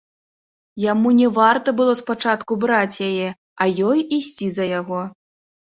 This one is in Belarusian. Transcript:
Яму не варта было спачатку браць яе, а ёй ісці за яго.